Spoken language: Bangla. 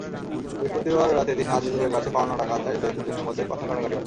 বৃহস্পতিবার রাতে তিনি আজিজুলের কাছে পাওনা টাকা চাইলে দুজনের মধ্যে কথা-কাটাকাটি হয়।